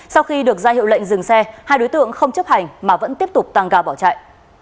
sau khi được ra hiệu lệnh dừng xe hai đối tượng không chấp hành mà vẫn tiếp tục tăng ga bỏ chạy